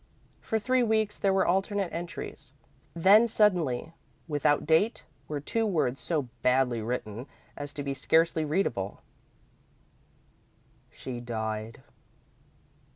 For three weeks there were alternate entries, then suddenly, without date, were two words so badly written as to be scarcely readable: "She died."